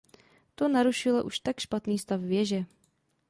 To narušilo už tak dost špatný stav věže.